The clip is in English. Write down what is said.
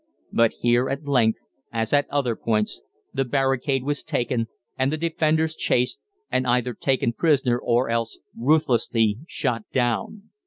But here, at length, as at other points, the barricade was taken, and the defenders chased, and either taken prisoner or else ruthlessly shot down.